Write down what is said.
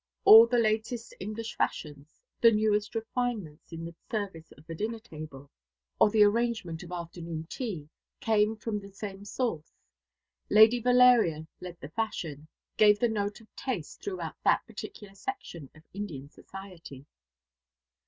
All the latest English fashions, the newest refinements in the service of a dinner table or the arrangement of afternoon tea, came from the same source. Lady Valeria led the fashion, gave the note of taste throughout that particular section of Indian society.